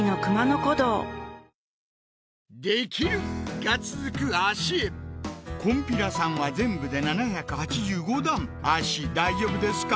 できる！が続く脚へこんぴらさんは全部で７８５段脚大丈夫ですか？